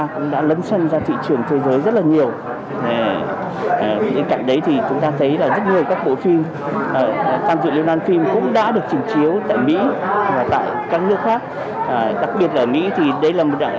cũng đã lấn xanh ra thị trường thời gian này